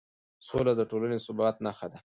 سوله د ټولنې د ثبات نښه ده